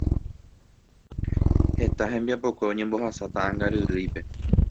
Heta hembiapokue oñembohasa taʼãngaryrýipe.